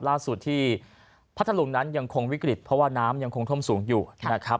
ล่าสุดที่พัทธรุงนั้นยังคงวิกฤตเพราะว่าน้ำยังคงท่วมสูงอยู่นะครับ